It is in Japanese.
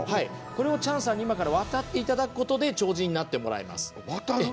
これをチャンさんに今から渡ってもらうことで超人になってもらいます。